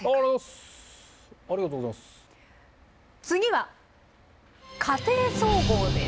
次は「家庭総合」です。